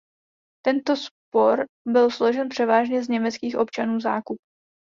Tento sbor byl složen převážně z německých občanů Zákup.